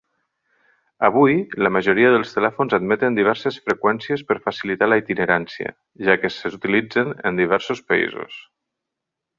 Avui, la majoria dels telèfons admeten diverses freqüències per facilitar la itinerància, ja que s'utilitzen en diversos països.